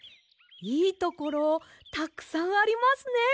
いいところたくさんありますね。